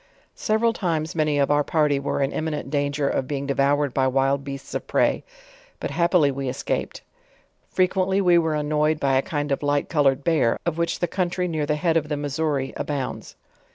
Several times, many of our party were in imrnifient dan ger of being devoured by wild beasts of prey; but happily we escaped. .Frequently we were annoyed by a kind of light colored bear, of which the country near the head of the Mis souri, abounds.